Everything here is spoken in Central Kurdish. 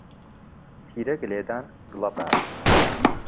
تیرەک لێدان، گڵەبان